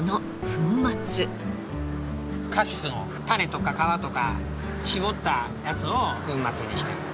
カシスの種とか皮とか搾ったやつを粉末にしたもの。